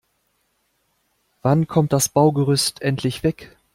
Wann kommt das Baugerüst endlich weg?